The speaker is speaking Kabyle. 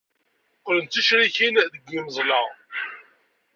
Qqlent d ticrikin deg yiweẓla.